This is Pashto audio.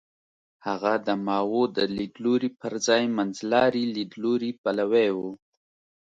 هغه د ماوو د لیدلوري پر ځای منځلاري لیدلوري پلوی و.